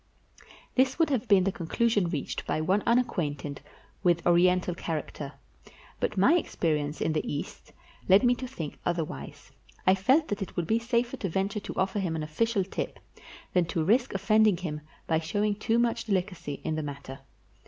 This would have been the conclusion reached by one unacquainted with Oriental character; but my experi ence in the East led me to think otherwise. I felt that it would be safer to venture to offer him an official tip than to risk offending him by showing too much delicacy in the matter.